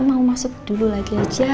mbak mbak nggak mau masuk dulu lagi aja